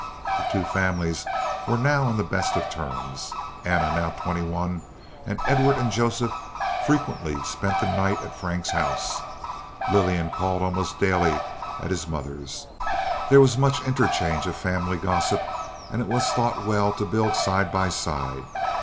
The two families were now on the best of terms. Anna, now twenty one, and Edward and Joseph frequently spent the night at Frank's house. Lillian called almost daily at his mother's. There was much interchange of family gossip, and it was thought well to build side by side.